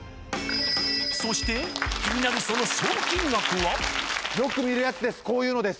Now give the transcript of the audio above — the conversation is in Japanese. そして気になるその賞金額はよく見るやつです